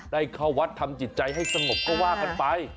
เข้าวัดทำจิตใจให้สงบก็ว่ากันไป